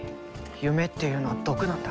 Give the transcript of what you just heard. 夢っていうのは毒なんだ。